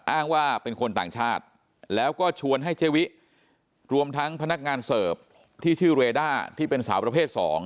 อ้างว่าเป็นคนต่างชาติแล้วก็ชวนให้เจวิรวมทั้งพนักงานเสิร์ฟที่ชื่อเรด้าที่เป็นสาวประเภท๒